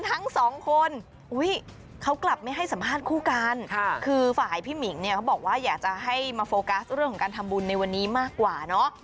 มาโฟกัสเรื่องของการทำบุญในวันนี้มากกว่าเนอะ